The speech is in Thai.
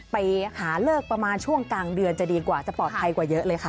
ไปหาเลิกประมาณช่วงกลางเดือนจะดีกว่าจะปลอดภัยกว่าเยอะเลยค่ะ